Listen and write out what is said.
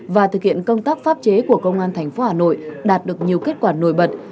và thực hiện công tác pháp chế của công an tp hà nội đạt được nhiều kết quả nổi bật